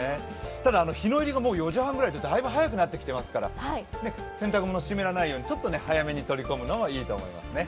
ただ日の入りが４時半ぐらいでだいぶ早くなってきてますから洗濯物、湿らないように早めに取り込むといいと思いますね。